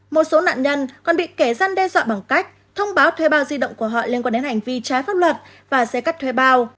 một số nạn nhân còn bị kẻ gian đe dọa bằng cách thông báo thuê bao di động của họ liên quan đến hành vi trái pháp luật và sẽ cắt thuê bao